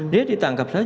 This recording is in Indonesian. dia ditangkap saja gitu